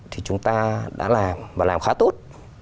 thì chúng ta đã làm và làm khá tốt